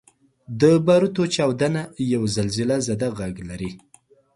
• د باروتو چاودنه یو زلزلهزده ږغ لري.